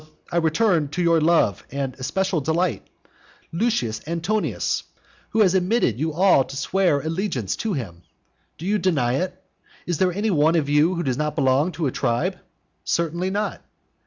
V However, I return to your love and especial delight, Lucius Antonius, who has admitted you all to swear allegiance to him. Do you deny it? is there any one of you who does not belong to a tribe? Certainly not.